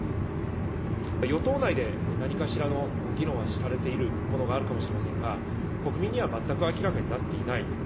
与党内で、何かしらの議論はされているものがあるかもしれませんが、国民には全く明らかになっていないと。